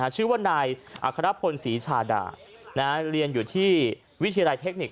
เค้ารับผลสีชาด่ะนะเรียนอยู่ที่วิทยาลัยเทคนิค